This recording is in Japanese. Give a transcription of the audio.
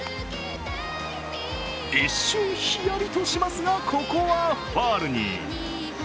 一瞬ヒヤリとしますがここはファウルに。